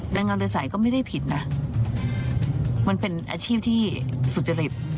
แรงงานโดยสายก็ไม่ได้ผิดนะมันเป็นอาชีพที่สุจริต